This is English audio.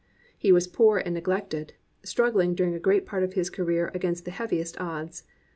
He was poor and neglected, struggling during a great part of his career against the heaviest odds.